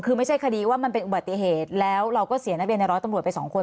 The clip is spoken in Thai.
คือไม่ใช่คดีว่ามันเป็นอุบัติเหตุแล้วเราก็เสียนักเรียนในร้อยตำรวจไปสองคน